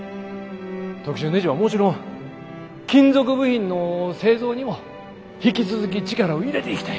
特殊ねじはもちろん金属部品の製造にも引き続き力を入れていきたい。